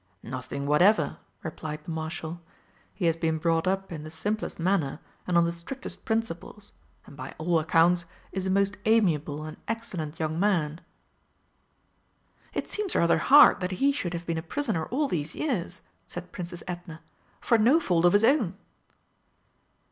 "Nothing whatever," replied the Marshal. "He has been brought up in the simplest manner and on the strictest principles, and by all accounts, is a most amiable and excellent young man." "It seems rather hard that he should have been a prisoner all these years," said Princess Edna, "for no fault of his own."